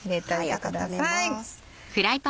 温めます。